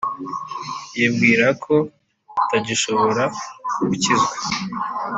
yibwira ko atagishobora gukizwa